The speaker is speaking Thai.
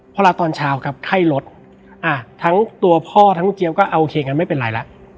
พอรับตอนเช้าครับไข้ลดทั้งตัวพ่อทั้งเจี๊ยบก็โอเคงั้นไม่เป็นไรแล้ว